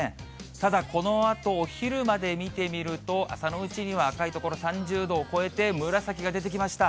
ただ、このあとお昼まで見てみると、朝のうちには赤い所、３０度を超えて紫が出てきました。